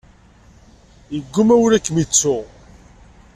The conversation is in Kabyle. Yeggumma wul ad kem-ittttu.